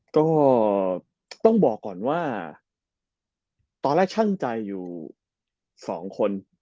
ก็ต้องบอกก่อนว่าตอนแรกช่างใจอยู่๒คน